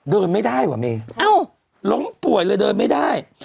เดินไม่ได้ว่ะเมย์ล้มป่วยเลยเดินไม่ได้